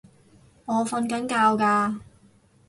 我訓緊覺㗎